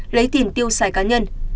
lấy tiền tiêu xài cá nhân